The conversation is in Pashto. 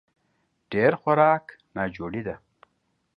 ډېر خوراک ناجوړي ده